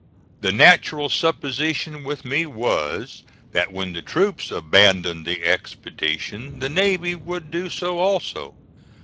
The natural supposition with me was, that when the troops abandoned the expedition, the navy would do so also.